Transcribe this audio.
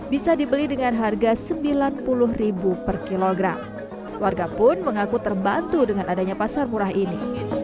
bisa dibeli dengan harga sembilan puluh per kilogram warga pun mengaku terbantu dengan adanya pasar murah ini